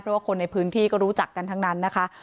เพราะว่าคนในพื้นที่ก็รู้จักกันทั้งนั้นนะคะ